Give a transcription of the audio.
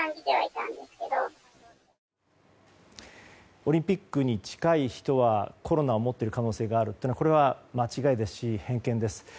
オリンピックに近い人はコロナを持っている可能性があるというのはこれは間違いですし偏見です。